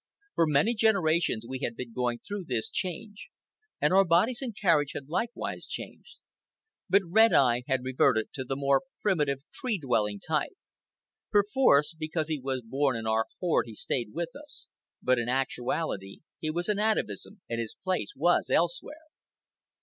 For many generations we had been going through this change, and our bodies and carriage had likewise changed. But Red Eye had reverted to the more primitive tree dwelling type. Perforce, because he was born in our horde he stayed with us; but in actuality he was an atavism and his place was elsewhere.